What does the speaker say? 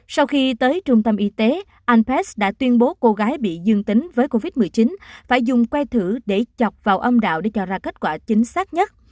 sau khi tới trung tâm y tế alpest đã tuyên bố cô gái bị dương tính với covid một mươi chín phải dùng que thử để chọc vào âm đạo để cho ra kết quả chính xác nhất